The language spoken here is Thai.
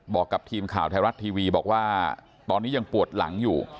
บอกกับทีมข่าวไทยรัฐทีวีบอกว่าตอนนี้ยังปวดหลังอยู่